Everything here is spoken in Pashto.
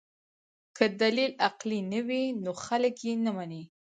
که دلیل عقلي نه وي نو خلک یې نه مني.